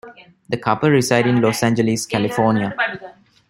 The couple reside in Los Angeles, California.